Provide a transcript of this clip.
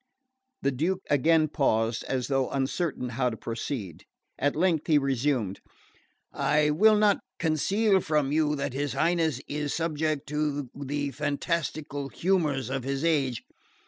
The Duke again paused, as though uncertain how to proceed. At length he resumed: "I will not conceal from you that his Highness is subject to the fantastical humours of his age.